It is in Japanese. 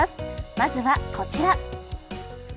まずはこちら。